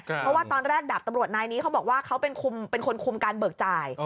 เพราะว่าตอนแรกดาบตำรวจนายนี้เขาบอกว่าเขาเป็นคนคุมการเบิกจ่าย